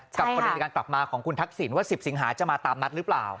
กรณีการกลับมาของคุณทักษิณว่า๑๐สิงหาจะมาตามนัดหรือเปล่า